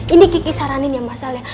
ini kiki saranin ya mas al ya